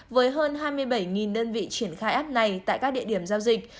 với hơn hai mươi bảy đơn vị triển khai app này tại các địa điểm giao dịch